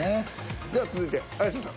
では続いて綾瀬さん。